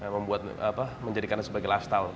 membuat apa menjadikannya sebagai lifestyle